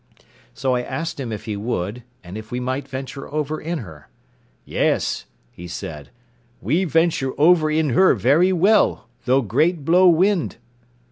So I asked him if he would, and if we might venture over in her. "Yes," he said, "we venture over in her very well, though great blow wind."